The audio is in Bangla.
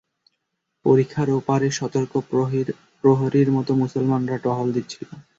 পরিখার ওপাড়ে সতর্ক প্রহরীর মত মুসলমানরা টহল দিচ্ছিল।